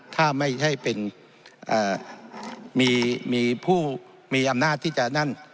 ถ้าไม่ให้มีอำนาจที่จะนั่น